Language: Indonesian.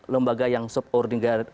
lembaga yang subordinari